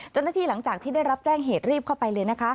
เจ้าหน้าที่หลังจากที่ได้รับแจ้งเหตุรีบเข้าไปเลยนะคะ